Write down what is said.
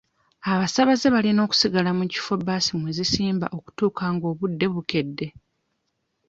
Abasaabaze balina okusigala mu kifo baasi mwe zisimba okutuuka nga obudde bukedde.